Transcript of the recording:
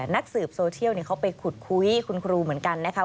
นักสืบโซเชียลเขาไปขุดคุยคุณครูเหมือนกันนะคะ